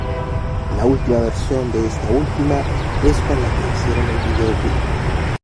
La versión de esta última es con la que hicieron el videoclip.